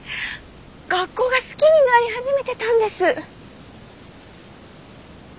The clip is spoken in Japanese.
学校が好きになり始めてたんです。